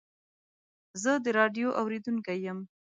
زه د راډیو اورېدونکی یم.